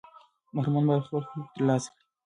محرومان باید خپل حقوق ترلاسه کړي.